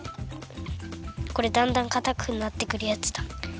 これだんだんかたくなってくるやつだ。